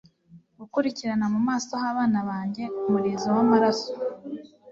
Gukurikirana mu maso h'abana banjye umurizo w'amaraso,